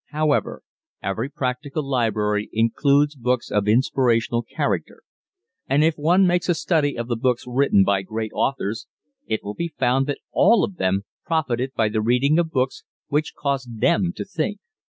However, every practical library includes books of inspirational character, and if one makes a study of the books written by great authors it will be found that all of them profited by the reading of books which caused them to think.